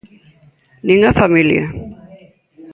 Nin a familia.